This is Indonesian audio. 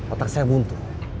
otak saya buntu